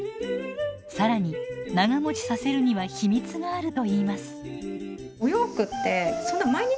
更に長もちさせるには秘密があるといいます。